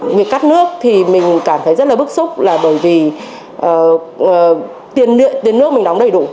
việc cắt nước thì mình cảm thấy rất là bức xúc là bởi vì tiền nước mình đóng đầy đủ